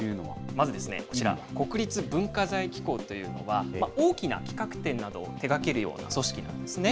まずこちら、国立文化財機構というのは、大きな企画展などを手がけるような組織なんですね。